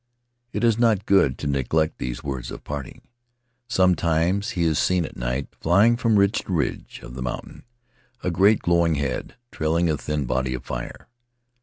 It is not good to neglect these words of parting. Sometimes he is seen at night, flying from ridge to ridge of the mountain — a great glowing head, trailing a thin body of fire.